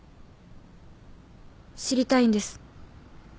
知りたいんです。